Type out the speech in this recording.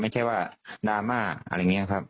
ไม่ใช่ว่าดราม่าอะไรอย่างนี้ครับ